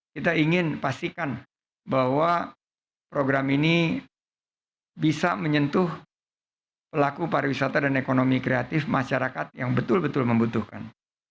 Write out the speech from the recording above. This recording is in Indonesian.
kita ingin pastikan bahwa program ini bisa menyentuh pelaku pariwisata dan ekonomi kreatif masyarakat yang betul betul membutuhkan